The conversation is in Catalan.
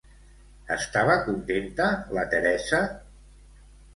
Estava contenta la Teresa?